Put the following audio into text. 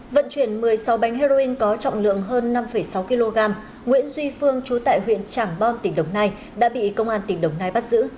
vận chuyển một mươi sáu bánh heroin có trọng lượng hơn năm sáu kg nguyễn duy phương chú tại huyện trảng bom tỉnh đồng nai đã bị công an tỉnh đồng nai bắt giữ